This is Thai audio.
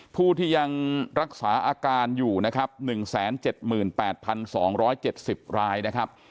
ผู้ที่ยังรักษาอาการอยู่นะครับ๑๗๘๒๗๐รายนะครับ